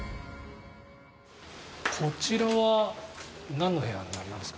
こちらは何の部屋になりますか？